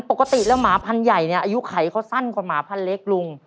ปกติแล้วหมาพันธุ์ใหญ่เนี่ยอายุไขเขาสั้นกว่าหมาพันเล็กลุง